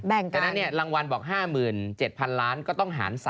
แต่นั่นเนี่ยรางวัลบอก๕๗๐๐๐ล้านก็ต้องหาร๓